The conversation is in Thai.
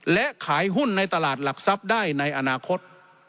และขายหุ้นในตลาดหลักทรัพย์ได้ในอนาคต